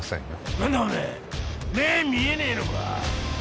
何だおめえ目見えねえのか？